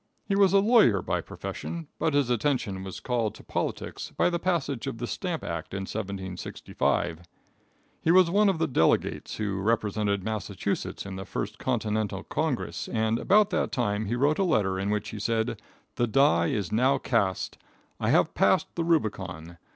He was a lawyer by profession, but his attention was called to politics by the passage of the stamp act in 1765. He was one of the delegates who represented Massachusetts in the first Continental Congress, and about that time he wrote a letter in which he said: "The die is now cast; I have passed the rubicon.